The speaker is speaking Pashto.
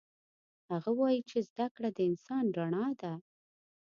هغه وایي چې زده کړه د انسان رڼا ده